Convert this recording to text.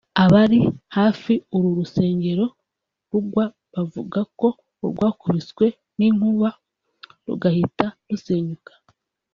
Abari hafi uru rusengero rugwa bavuga ko urwakubiswe n’inkuba rugahita rusenyuka